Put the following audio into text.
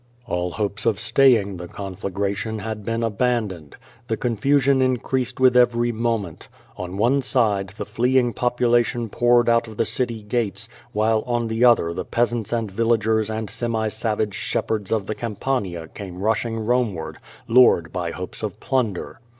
All hopes of staying the conflagration had been abandoned. The confusion increased with every 325 326 0^^ VADI8. •• moment. On one side the fleeing population poured out of the city gates, while on the other the peasants and villagers and semi savage shepherds of the Campania came rushing Homeward, lured by hopes of plunder.